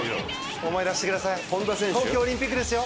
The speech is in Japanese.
思い出してください東京オリンピックですよ。